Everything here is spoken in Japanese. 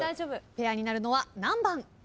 ペアになるのは何番？